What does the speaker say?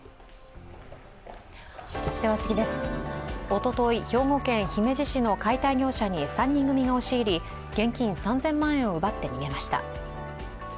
おととい、兵庫県姫路市の解体業者に３人組が押し入り、現金３０００万円を奪って逃げました。